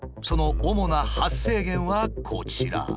その主な発生源はこちら。